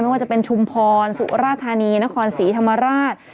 ว่าจะเป็นชุมพรสุราธานีนครศรีธรรมราช